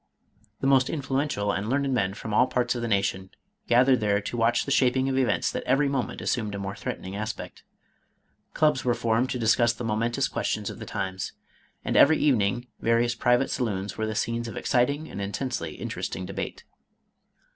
The most influen tial and learned men from all parts of the nation gath MADAME ROLAND. 501 ered there to watch the shaping of events that every moment assumed a more threatening aspect. Clubs were formed to discuss the* momentous questions of the times, and every evening various private saloons were the scenes of exciting and intensely interesting debate.